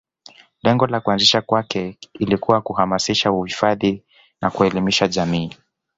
Lengo la kuanzishwa kwake ilikuwa kuhamasisha uhifadhi na kuelimisha jamii